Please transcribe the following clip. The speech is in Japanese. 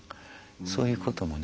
そういうこともね